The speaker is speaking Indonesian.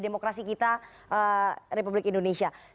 demokrasi kita republik indonesia